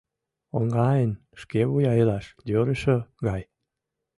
Оҥайын, шкевуя илаш йӧрышӧ гай.